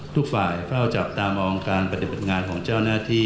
ทุกฝ่ายเฝ้าจับตามองการปฏิบัติงานของเจ้าหน้าที่